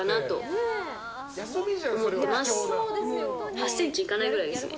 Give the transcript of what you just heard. ８ｃｍいかないくらいですね。